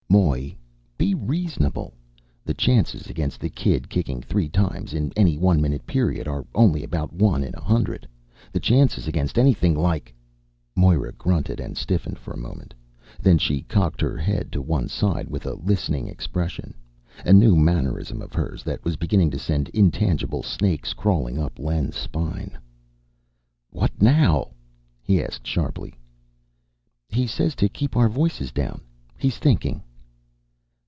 "Moy, be reasonable. The chances against the kid kicking three times in any one minute period are only about one in a hundred. The chances against anything like " Moira grunted and stiffened for a moment. Then she cocked her head to one side with a listening expression ... a new mannerism of hers that was beginning to send intangible snakes crawling up Len's spine. "What now?" he asked sharply. "He says to keep our voices down. He's thinking."